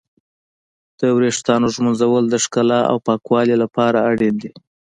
د ويښتانو ږمنځول د ښکلا او پاکوالي لپاره اړين دي.